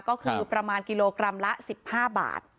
ก็คือประมาณกิโลกรัมละ๑๕บาท